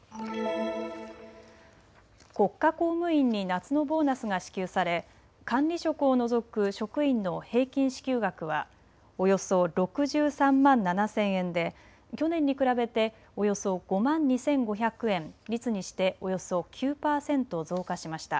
国家公務員に夏のボーナスが支給され管理職を除く職員の平均支給額はおよそ６３万７０００円で去年に比べておよそ５万２５００円、率にしておよそ９％増加しました。